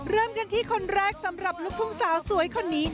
เริ่มกันที่คนแรกสำหรับลูกทุ่งสาวสวยคนนี้